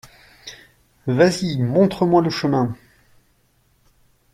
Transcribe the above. Vas-y, montre-moi le chemin.